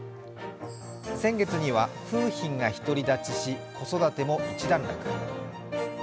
先月には楓浜がひとり立ちし、子育ても一段落。